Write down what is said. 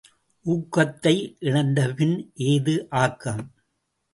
ஊக்கத்தை இழந்த பின் ஏது ஆக்கம்?